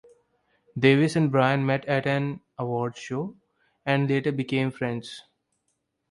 Davis and Bryan met at an awards show and later became friends.